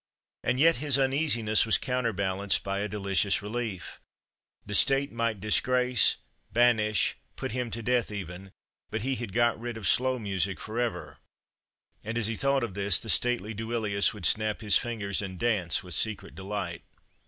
And yet his uneasiness was counterbalanced by a delicious relief: the State might disgrace, banish, put him to death even, but he had got rid of slow music for ever; and as he thought of this, the stately Duilius would snap his fingers and dance with secret delight.